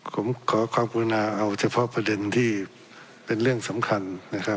ผมขอความกรุณาเอาเฉพาะประเด็นที่เป็นเรื่องสำคัญนะครับ